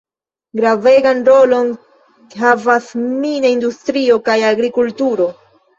Gravegan rolon havas mina industrio kaj agrikulturo.